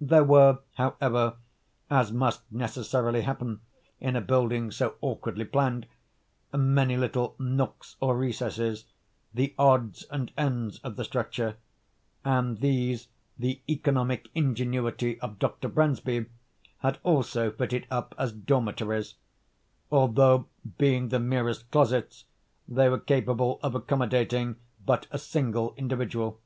There were, however, (as must necessarily happen in a building so awkwardly planned,) many little nooks or recesses, the odds and ends of the structure; and these the economic ingenuity of Dr. Bransby had also fitted up as dormitories; although, being the merest closets, they were capable of accommodating but a single individual.